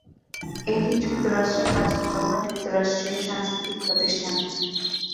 এটি যুক্তরাষ্ট্রের প্রাচীনতম যুক্তরাষ্ট্রীয় সাংস্কৃতিক প্রতিষ্ঠান।